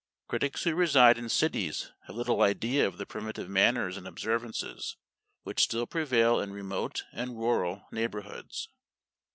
Critics who reside in cities have little idea of the primitive manners and observances, which still prevail in remote and rural neighborhoods.